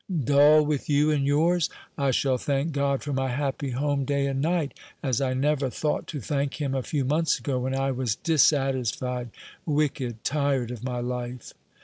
"Dull, with you and yours! I shall thank God for my happy home day and night, as I never thought to thank Him a few months ago, when I was dissatisfied, wicked, tired of my life."